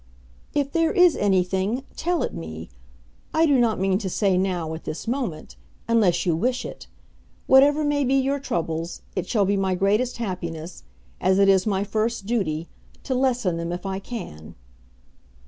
"If there is anything, tell it me. I do not mean to say now, at this moment, unless you wish it. Whatever may be your troubles, it shall be my greatest happiness, as it is my first duty, to lessen them if I can."